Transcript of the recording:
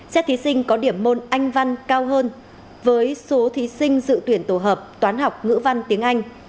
xét thí sinh có điểm môn anh văn cao hơn với số thí sinh dự tuyển tổ hợp toán học ngữ văn tiếng anh